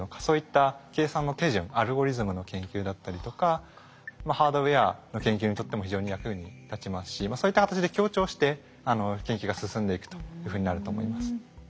そういった計算の手順アルゴリズムの研究だったりとかハードウエアの研究にとっても非常に役に立ちますしそういった形で協調して研究が進んでいくというふうになると思います。